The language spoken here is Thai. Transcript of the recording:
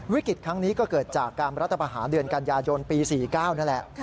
วิกฤตครั้งนี้ก็เกิดจากการรัฐประหารเดือนกันยายนปี๔๙นั่นแหละ